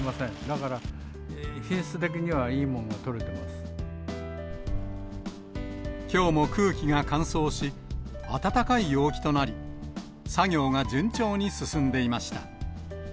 だから、きょうも空気が乾燥し、暖かい陽気となり、作業が順調に進んでいました。